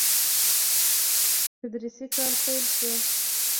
تدريسي کال پيل شو.